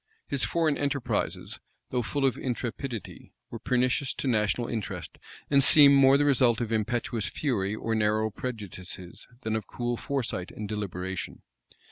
His foreign enterprises, though full of intrepidity, were pernicious to national interest, and seem more the result of impetuous fury or narrow prejudices, than of cool foresight and deliberation.